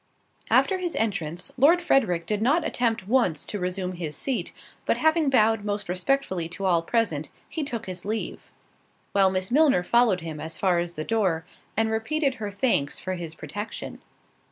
After his entrance, Lord Frederick did not attempt once to resume his seat, but having bowed most respectfully to all present, he took his leave; while Miss Milner followed him as far as the door, and repeated her thanks for his protection.